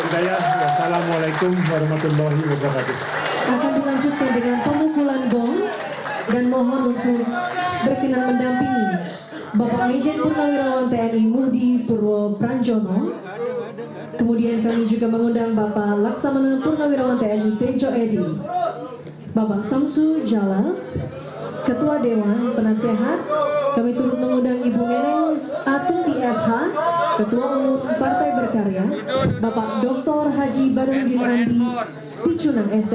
dan demikian rapat pimpinan